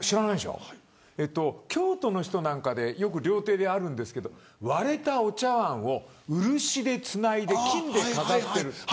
京都の人なんかで料亭であるんですけど割れたお茶わんを漆でつないで金で飾っている。